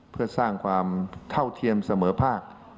เพื่อสร้างความเท่าเทียมเสมอภาค